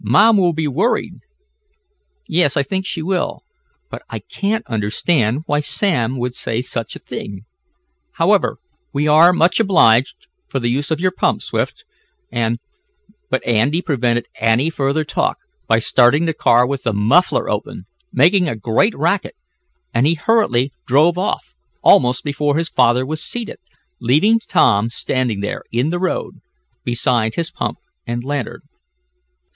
Mom will be worried." "Yes, I think she will. But I can't understand why Sam should say such a thing. However, we are much obliged for the use of your pump, Swift, and " But Andy prevented any further talk by starting the car with the muffler open, making a great racket, and he hurriedly drove off, almost before his father was seated, leaving Tom standing there in the road, beside his pump and lantern.